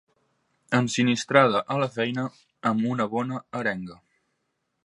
Ensinistrada a la feina amb una bona arenga.